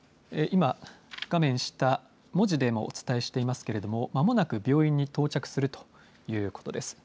今、画面下、文字でもお伝えしていますけれども、まもなく病院に到着するということです。